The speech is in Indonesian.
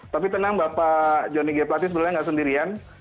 tapi tenang bapak johnny giaplati sebenarnya tidak sendirian